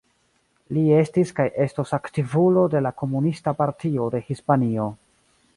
Li estis kaj estos aktivulo de la Komunista Partio de Hispanio.